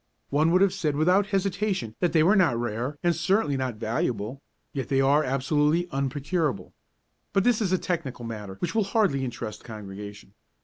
One would have said without hesitation that they were not rare and certainly not valuable, yet they are absolutely unprocurable. But this is a technical matter which will hardly interest Congregation.